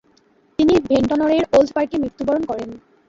তিনি ভেন্টনরের ওল্ড পার্কে মৃত্যুবরণ করেন।